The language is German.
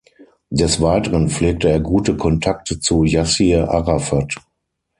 Des Weiteren pflegte er gute Kontakte zu Jassir Arafat.